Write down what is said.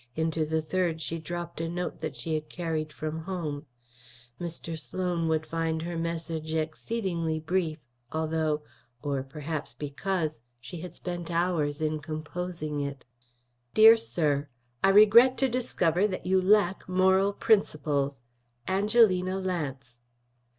Into the third she dropped a note that she had carried from home. Mr. Sloan would find her message exceedingly brief, although (or, perhaps, because) she had spent hours in composing it. DEAR SIR: I regret to discover that you lack moral principles. ANGELINA LANCE.